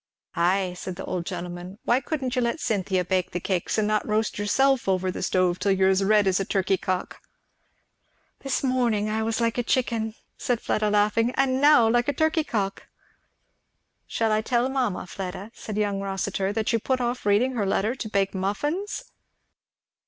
"Ay," said the old gentleman; "why couldn't you let Cynthia bake the cakes, and not roast yourself over the stove till you're as red as a turkey cock?" "This morning I was like a chicken," said Fleda laughing, "and now like a turkey cock." "Shall I tell mamma, Fleda," said young Rossitur, "that you put off reading her letter to bake muffins?"